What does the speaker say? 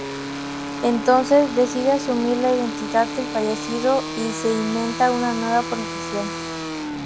Entonces, decide asumir la identidad del fallecido y se inventa una nueva profesión.